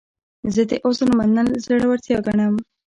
زه د عذر منل زړورتیا ګڼم.